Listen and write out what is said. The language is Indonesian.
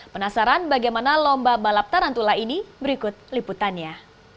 penasaran bagaimana lomba balap tarantula ini berikut liputannya